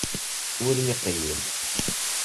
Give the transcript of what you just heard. Ur iqeyyel.